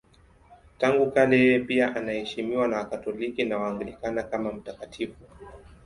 Tangu kale yeye pia anaheshimiwa na Wakatoliki na Waanglikana kama mtakatifu.